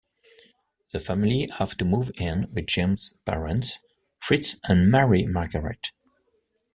The family have to move in with James's parents, Fritz and Mary-Margaret.